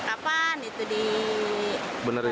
kapan itu dibenerin